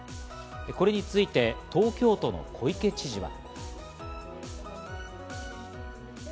これについて東京都の小池知事は。